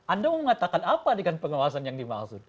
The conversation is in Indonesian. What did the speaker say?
anda mau mengatakan apa dengan pengawasan yang dimaksud